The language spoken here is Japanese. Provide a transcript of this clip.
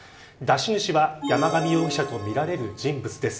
出し主は山上容疑者とみられる人物です。